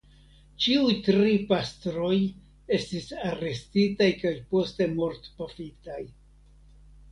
Ĉiuj tri pastroj estis arestitaj kaj poste mortpafitaj.